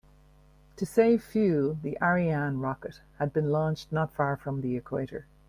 To save fuel, the Ariane rocket has been launched not far from the equator.